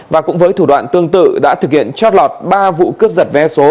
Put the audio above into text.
và cũng với thủ đoạn tương tự đã thực hiện trót lọt ba vụ cướp giật vé số